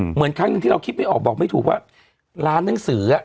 เหมือนครั้งหนึ่งที่เราคิดไม่ออกบอกไม่ถูกว่าร้านหนังสือ